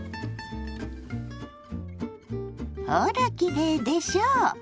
ほらきれいでしょ